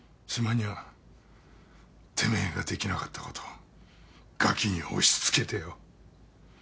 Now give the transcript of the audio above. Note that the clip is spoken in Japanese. にゃてめえができなかったことガキに押し付けてよ。